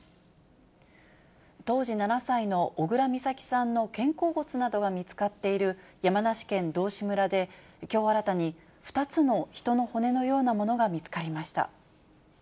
当時７歳の小倉美咲さんの肩甲骨などが見つかっている山梨県道志村で、きょう新たに２つの人の骨のようなものが見つかりました。